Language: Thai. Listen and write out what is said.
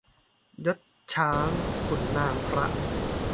ยศช้างขุนนางพระ